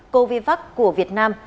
covidvac của việt nam